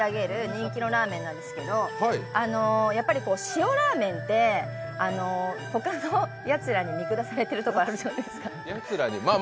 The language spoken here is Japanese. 人気のラーメンなんですけど塩ラーメンって他のやつらに見下されてるところあるじゃないですか。